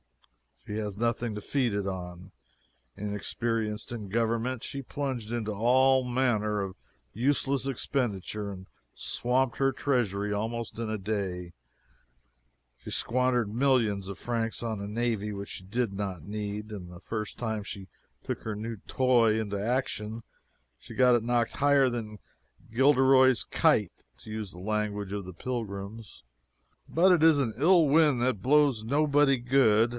She has nothing to feed it on. Inexperienced in government, she plunged into all manner of useless expenditure, and swamped her treasury almost in a day. She squandered millions of francs on a navy which she did not need, and the first time she took her new toy into action she got it knocked higher than Gilderoy's kite to use the language of the Pilgrims. But it is an ill wind that blows nobody good.